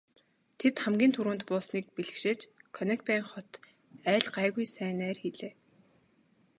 Тэд хамгийн түрүүнд буусныг бэлэгшээж Конекбайн хот айл гайгүй сайн найр хийлээ.